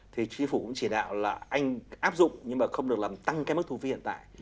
thì chính phủ cũng chỉ đạo là anh áp dụng nhưng mà không được làm tăng cái mức thu phí hiện tại